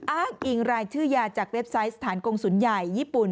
อ้างอิงรายชื่อยาจากเว็บไซต์สถานกงศูนย์ใหญ่ญี่ปุ่น